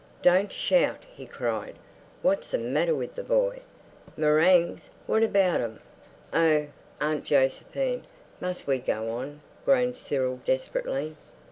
"Don't shout!" he cried. "What's the matter with the boy? Meringues! What about 'em?" "Oh, Aunt Josephine, must we go on?" groaned Cyril desperately.